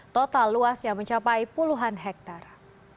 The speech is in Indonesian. total luasnya mencapai puluhan hektare